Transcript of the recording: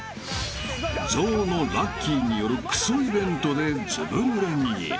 ［象のラッキィによるクソイベントでずぶぬれに］